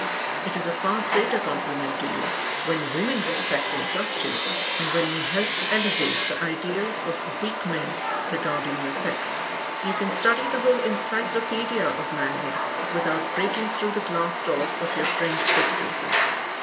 It is a far greater compliment to you when women respect and trust you, and when you help elevate the ideals of weak men regarding your sex. You can study the whole Encyclopedia of Manhood without breaking through the glass doors of your friend's bookcases.